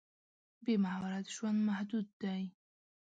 بې مهارت ژوند محدود دی.